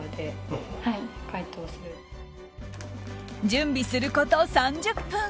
準備すること３０分。